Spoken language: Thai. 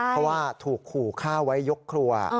เพราะว่าถูกขู่ฆ่าไว้ยกครัว